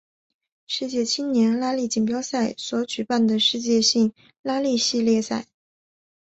世界青年拉力锦标赛所举办的世界性拉力系列赛。